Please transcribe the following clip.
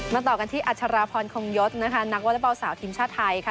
ต่อกันที่อัชราพรคงยศนะคะนักวอเล็กบอลสาวทีมชาติไทยค่ะ